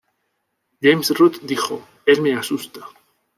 James Root dijo: "Él me asusta.